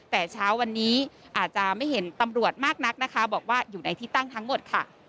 แต่เช้าวันนี้อาจจะไม่เห็นตำรวจมากนักนะคะบอกว่าอยู่ในที่ตั้งทั้งหมดค่ะ